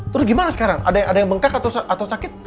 terus gimana sekarang ada yang bengkak atau sakit